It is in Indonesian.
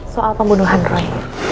soal pembunuhan roy